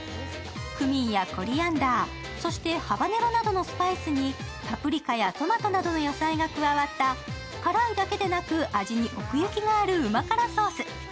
クミンやコリアンダー、そしてハバネロなどのスパイスにパプリカやトマトなどの野菜が加わった、辛いだけでなく、味に奥行きがある旨辛ソース。